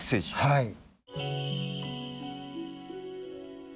はい。